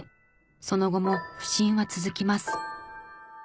その後も不振は続きます。